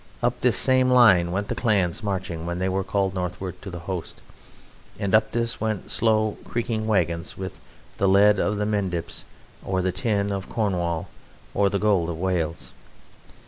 Up this same line went the Clans marching when they were called Northward to the host; and up this went slow, creaking wagons with the lead of the Mendips or the tin of Cornwall or the gold of Wales.